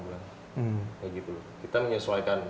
ya gitu kita menyesuaikan